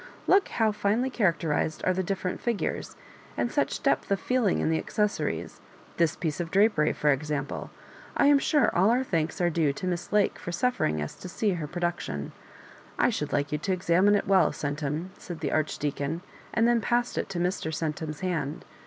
Look how finely characterised are the different figures ; and such depth of feeling in the accessories, — this piece of drapery, for example. I am sure all our Digitized by VjOOQIC ea loss ICABJOBIBANSa thanks are due to Miss Lake for suffering us to see her production. I should like you to exam ine it well, Centum," said the Archdeaoon— and then it passed to Mr. Centum's hand.